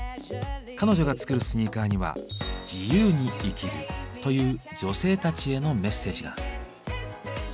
彼女が作るスニーカーには「自由に生きる」という女性たちへのメッセージが。